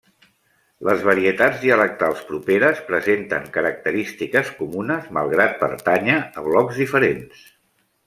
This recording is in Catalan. Les varietats dialectals properes presenten característiques comunes malgrat pertànyer a blocs diferents.